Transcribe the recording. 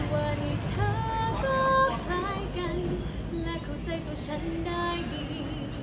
วันนี้เธอก็คล้ายกันและเข้าใจตัวฉันได้ดี